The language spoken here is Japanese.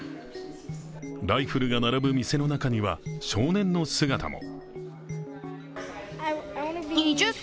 ライフルが並ぶ店の中には少年の姿も。